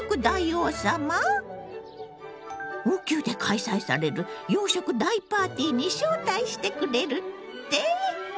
王宮で開催される洋食大パーティーに招待してくれるって？